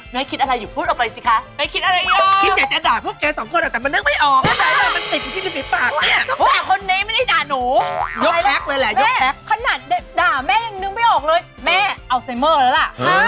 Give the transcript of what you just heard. แม่คิดอะไรอยู่แม่คิดอะไรอยู่พูดออกไปสิคะ